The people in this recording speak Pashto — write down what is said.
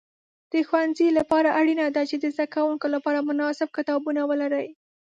د ښوونځي لپاره اړینه ده چې د زده کوونکو لپاره مناسب کتابونه ولري.